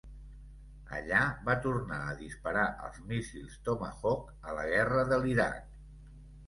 Allà, va tornar a disparar els míssils Tomahawk a la Guerra de l'Iraq.